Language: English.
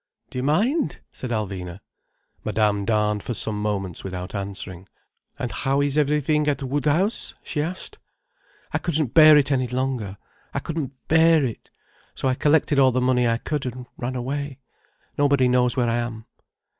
"Do you mind?" said Alvina. Madame darned for some moments without answering. "And how is everything at Woodhouse?" she asked. "I couldn't bear it any longer. I couldn't bear it. So I collected all the money I could, and ran away. Nobody knows where I am."